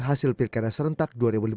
hasil pilkada serentak dua ribu lima belas